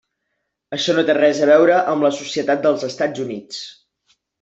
Això no té res a veure amb la societat dels Estats Units.